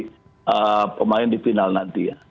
jadi pemain di final nanti ya